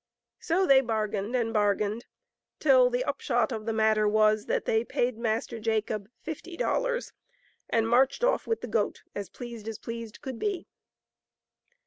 So they bargained and bargained till the upshot of the matter was that they paid Master Jacob fifty dollars, and marched off with the goat as pleased as pleased could be.